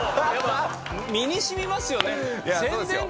身に染みますよね。